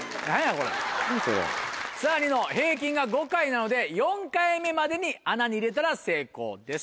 それ・さぁニノ平均が５回なので４回目までに穴に入れたら成功です。